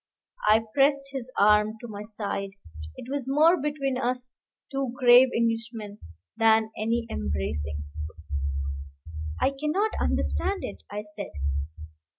I pressed his arm to my side: it was more between us two grave Englishmen than any embracing. "I cannot understand it," I said.